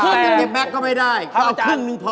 ครึ่งหนึ่งแบบแบบแบบก็ไม่ได้เขาครึ่งหนึ่งพอครับอาจารย์